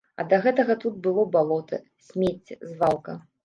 А да гэтага тут было балота, смецце, звалка.